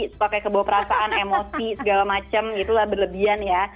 suka kayak kebawa perasaan emosi segala macem gitu lah berlebihan ya